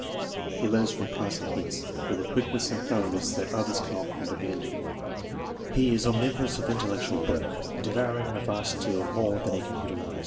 He learns from passing hints, with a quickness and thoroughness that others cannot comprehend. He is omnivorous of intellectual work, devouring a vast deal more^ than he can irfrjlize.